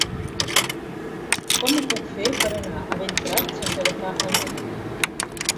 Com ho puc fer per anar a Bellprat sense agafar el metro?